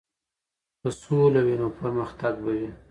که سوله وي نو پرمختګ به وي.